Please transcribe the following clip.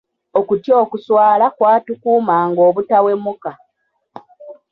Okutya okuswala kwatukuumanga obutawemuka.